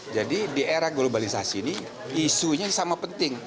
jadi di era globalisasi ini isunya sama penting